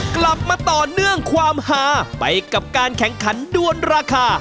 กลับมาต่อเนื่องความหาไปกับการแข่งขันด้วนราคา